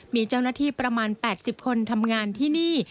มีเจ้าหน้าที่ประมาณ๘๐คนทำงานที่นี่